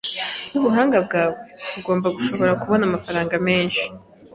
Nubuhanga bwawe, ugomba gushobora kubona amafaranga menshi.